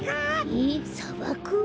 えっさばく？